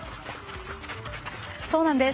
そうなんです。